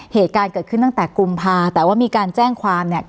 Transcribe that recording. เหตุการณ์เกิดขึ้นตั้งแต่กุมภาแต่ว่ามีการแจ้งความเนี่ย